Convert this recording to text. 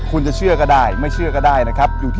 คุณจะเชื่อก็ได้ไม่เชื่อก็ได้นะครับอยู่ที่